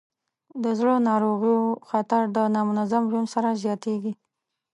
د زړه ناروغیو خطر د نامنظم ژوند سره زیاتېږي.